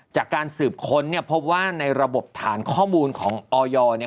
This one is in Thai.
จากการสืบค้นพบว่าในระบบฐานข้อมูลของออย